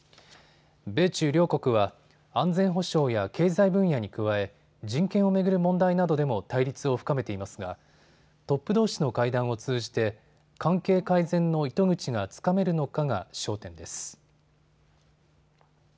米中両国は安全保障や経済分野に加え人権を巡る問題などでも対立を深めていますがトップどうしの会談を通じて関係改善の糸口がつかめるのかが焦点です。